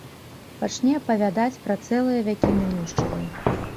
Пачне апавядаць пра цэлыя вякі мінуўшчыны.